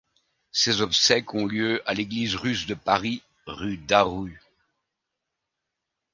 Ses obsèques ont lieu à l'église russe de Paris, rue Daru.